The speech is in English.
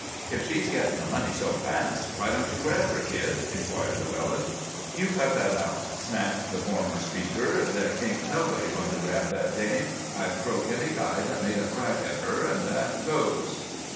"If she's getting the money so fast, why don't you grab her, Kid?" inquired Llewellyn. "You cut that out!" snapped the former speaker. "There ain't nobody going to grab that dame. I'd croak any guy that made a crack at her, and that goes!"